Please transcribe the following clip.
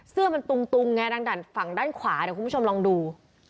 เสื้อมันตุงไงดังฝั่งด้านขวาเดี๋ยวคุณผู้ชมลองดู